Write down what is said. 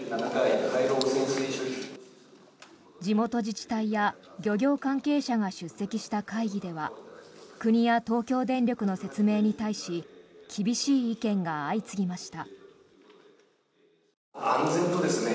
地元自治体や漁業関係者が出席した会議では国や東京電力の説明に対し厳しい意見が相次ぎました。